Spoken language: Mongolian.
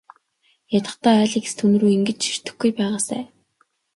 Ядахдаа Алекс түүнрүү ингэж ширтэхгүй байгаасай.